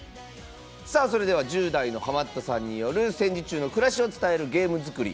さあそれでは１０代のハマったさんによる戦時中の暮らしを伝えるゲーム作り。